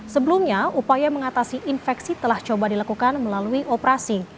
sebelumnya upaya mengatasi infeksi telah coba dilakukan melalui operasi